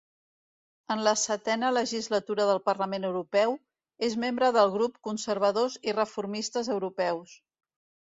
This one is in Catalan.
En la setena legislatura del Parlament Europeu, és membre del grup Conservadors i Reformistes Europeus.